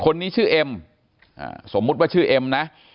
คนนี้ชื่อเอ็มสมมุติว่าชื่อเอ็มนะ